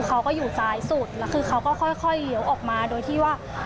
เขาก็อยู่ซ้ายสุดแล้วคือเขาก็ค่อยเลี้ยวออกมาโดยที่ว่า